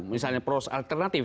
misalnya poros alternatif